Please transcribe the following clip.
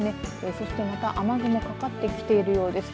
そしてまた雨雲かかってきているようです。